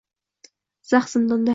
zax zindonda